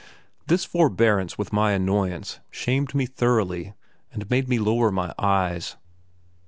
This forbearance with my annoyance shamed me thoroughly and made me lower my eyes.